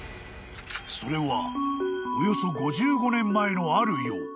［それはおよそ５５年前のある夜］